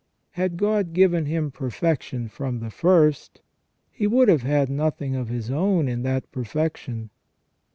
Had God given him perfection from the first, he would have had nothing of his own in that perfection.